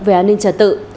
về an ninh trật tự